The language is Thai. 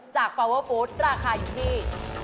ฟาเวอร์ฟู้ดราคาอยู่ที่